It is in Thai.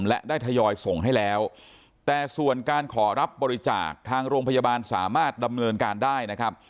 และได้ทยอยส่งให้แล้วแต่ส่วนการขอรับบริจาคทางโรงพยาบาลสามารถดำเนินการได้นะครับ